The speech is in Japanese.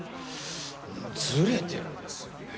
「ズレてる」ですよね。